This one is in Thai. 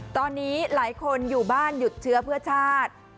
ตอนนี้หลายคนอยู่บ้านหยุดเชื้อเพื่อชาติ